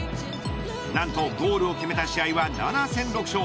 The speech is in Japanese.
なんとゴールを決めた試合は７戦６勝。